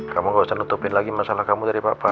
kamu gak usah nutupin lagi masalah kamu dari papa